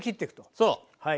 そう！